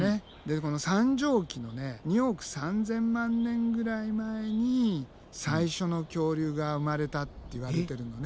この三畳紀の２億３，０００万年ぐらい前に最初の恐竜が生まれたっていわれてるのね。